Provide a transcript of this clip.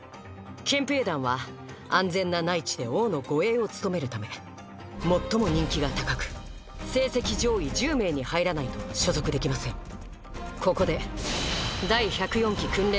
「憲兵団」は安全な内地で王の護衛を務めるため最も人気が高く成績上位１０名に入らないと所属できません。